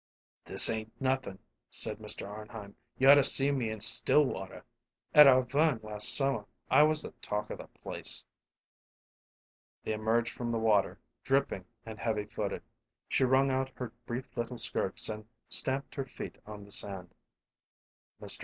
"This ain't nothin'," said Mr. Arnheim. "You ought to see me in still water. At Arverne last summer I was the talk of the place." They emerged from the water, dripping and heavy footed. She wrung out her brief little skirts and stamped her feet on the sand.